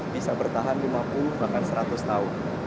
bisa bertahan lima puluh bahkan seratus tahun